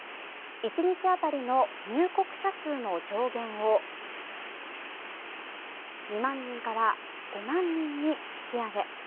１日当たりの入国者数の上限を２万人から５万人に引き上げ。